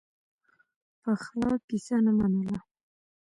پخلا کیسه نه منله.